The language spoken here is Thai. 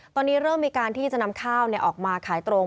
ตอนนี้เริ่มมีการที่จะนำข้าวออกมาขายตรง